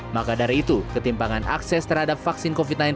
maka dari itu ketimpangan akses terhadap vaksin covid sembilan belas